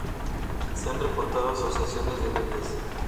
Se han reportado asociaciones de miles.